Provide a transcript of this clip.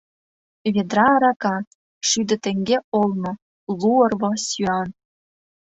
Ведра арака, шӱдӧ теҥге олно, лу орва сӱан...